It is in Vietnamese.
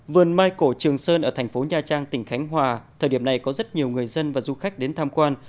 vườn mai cổ trường sơn ở thành phố nha trang tỉnh khánh hòa thời điểm này có rất nhiều người dân và du khách đến tham quan